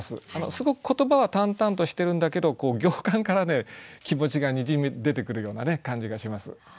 すごく言葉は淡々としてるんだけど行間からね気持ちがにじみ出てくるような感じがします。